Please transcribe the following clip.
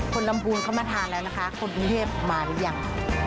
ลำพูนเข้ามาทานแล้วนะคะคนกรุงเทพมาหรือยัง